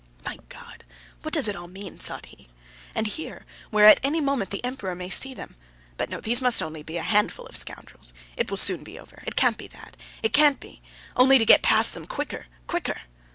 "My God! What does it all mean?" thought he. "And here, where at any moment the Emperor may see them.... But no, these must be only a handful of scoundrels. It will soon be over, it can't be that, it can't be! Only to get past them quicker, quicker!"